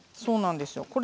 そうなんですよ。